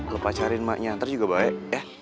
lo pacarin emaknya nanti juga baik ya